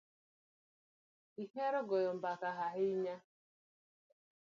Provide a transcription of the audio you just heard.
Ihero goyo mbaka ahinya